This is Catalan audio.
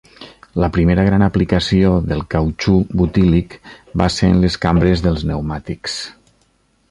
La primera gran aplicació del cautxú butílic va ser en les cambres dels pneumàtics.